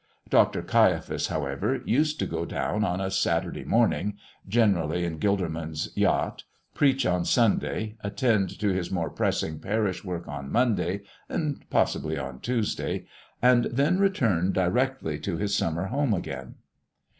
Dr. Caiaphas, however, used to go down on a Saturday morning generally in Gilderman's yacht preach on Sunday, attend to his more pressing parish work on Monday and possibly on Tuesday, and then return directly to his summer home again.